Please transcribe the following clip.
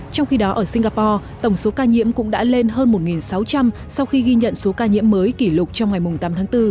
trong khi đó ở singapore tổng số ca nhiễm cũng đã lên hơn một sáu trăm linh sau khi ghi nhận số ca nhiễm mới kỷ lục trong ngày tám tháng bốn